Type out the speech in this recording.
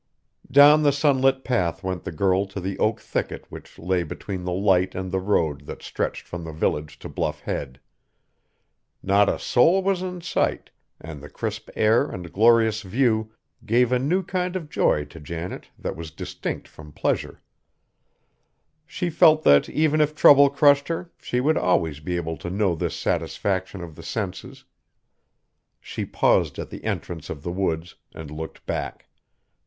Down the sunlit path went the girl to the oak thicket which lay between the Light and the road that stretched from the village to Bluff Head. Not a soul was in sight, and the crisp air and glorious view gave a new kind of joy to Janet that was distinct from pleasure. She felt that even if trouble crushed her, she would always be able to know this satisfaction of the senses. She paused at the entrance of the woods and looked back.